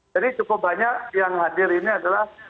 jadi cukup banyak yang hadir ini adalah